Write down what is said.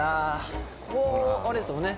ここあれですもんね。